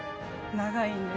長いんです。